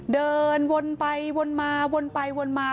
เดินวนไปวนมาวนไปวนมา